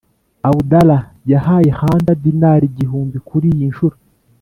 abdallah yahaye hunter dinari igihumbi kuriyi nshuro.